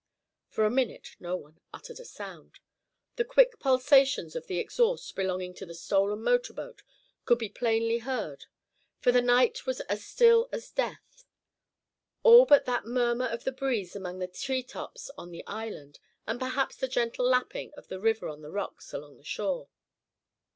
For a minute no one uttered a sound. The quick pulsations of the exhaust belonging to the stolen motor boat could be plainly heard, for the night was as still as death, all but that murmur of the breeze among the treetops on the island, and perhaps the gentle lapping of the river on the rocks along the shore.